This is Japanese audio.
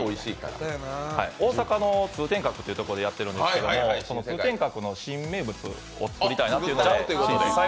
大阪の通天閣というところでやってるんですけど通天閣の新名物を作りたいということで。